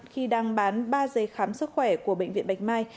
khi đang bán ba giấy khám sức khỏe của bệnh viện bạch mai